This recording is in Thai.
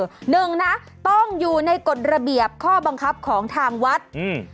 หนึ่งนะต้องอยู่ในกฎระเบียบข้อบังคับของทางวัดอืม